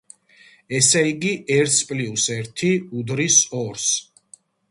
ესე იგი, ერთს პლიუს ერთი უდრის ორს.